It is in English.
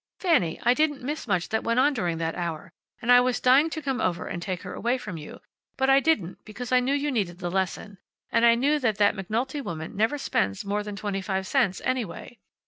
"Fanny, I didn't miss much that went on during that hour, and I was dying to come over and take her away from you, but I didn't because I knew you needed the lesson, and I knew that that McNulty woman never spends more than twenty five cents, anyway.